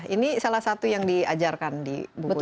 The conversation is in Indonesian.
ini salah satu yang diajarkan di buku